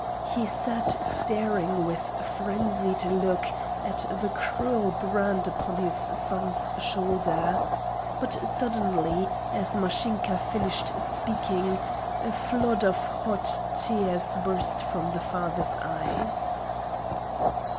He sat staring with frenzied look at the cruel brand upon his son's shoulder. But suddenly, as Mashinka finished speaking, a flood of hot tears burst from the father's eyes.